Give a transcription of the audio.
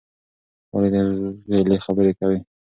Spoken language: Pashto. ولې د غېلې خبرې کوې؟